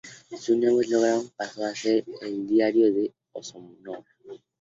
Su nuevo eslogan pasó a ser ""El diario de Osorno"".